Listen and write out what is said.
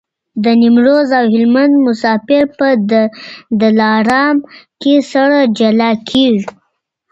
د نیمروز او هلمند مسافر په دلارام کي سره جلا کېږي.